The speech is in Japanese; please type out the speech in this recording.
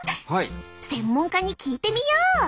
専門家に聞いてみよう！